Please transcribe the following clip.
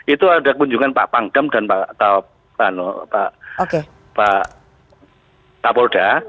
itu ada kunjungan pak pangdam dan pak kapolda